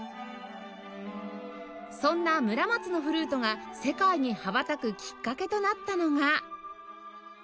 そんな村松のフルートが世界に羽ばたくきっかけとなったのが